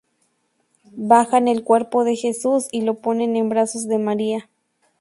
Bajan el cuerpo de Jesús y lo ponen en brazos de María.